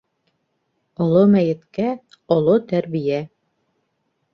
Оло мәйеткә - оло тәрбиә.